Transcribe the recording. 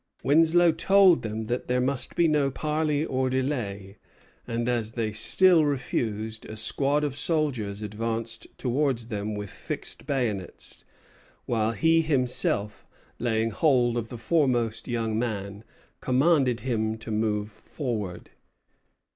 Winslow told them that there must be no parley or delay; and as they still refused, a squad of soldiers advanced towards them with fixed bayonets; while he himself, laying hold of the foremost young man, commanded him to move forward.